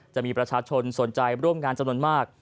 จะมีประชาชนสนใจร่วมงานจำนวนมาก